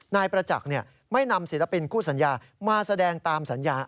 นายประจักษ์ไม่นำศิลปินคู่สัญญามาแสดงตามสัญญา